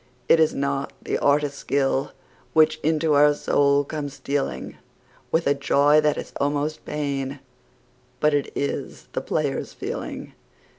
It is not the artist's skill which into our soul comes stealing With a joy that is almost pain, but it is the player's feeling.